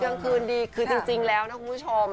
กลางคืนดีคือจริงแล้วนะคุณผู้ชม